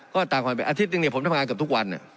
ก็ตามกันไปอาทิตย์หนึ่งเนี่ยผมทำงานกับทุกวันแหนะ